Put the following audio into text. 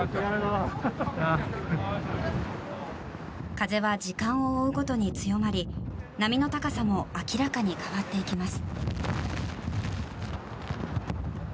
風は時間を追うごとに強まり波の高さも明らかに変わっていきます。